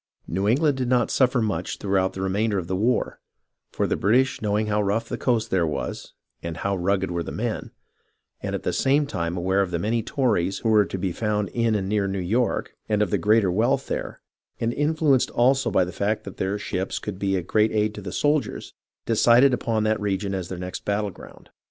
New England did not suffer much throughout the remainder of the war, for the British knowing how rough the coast there was, and how rugged were the men, and at the same time aware of the many Tories who were to be found in and near New York, and of the greater wealth there, and influenced also by the fact that their ships could be a great aid to the soldiers, de cided upon that region as their next battle ground.